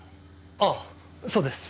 ああそうです。